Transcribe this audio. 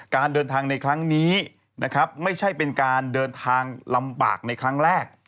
การเดินทางในครั้งนี้นะครับไม่ใช่เป็นการเดินทางลำบากในครั้งแรก